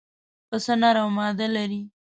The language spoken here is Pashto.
پسه نر او ماده لري.